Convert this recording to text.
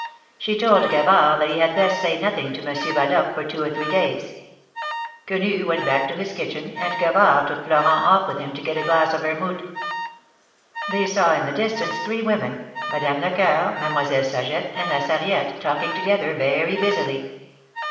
She told Gavard that he had best say nothing to Monsieur Yaloque for two or three days. Quenu went back to his kitchen, and Gavard took Florent off with him to get a glass of Vermont; they saw in the distance three women — Madame Lecoeur, Mademoiselle Saget, and La Sarriette, talking together, very busily.